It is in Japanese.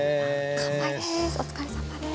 乾杯です。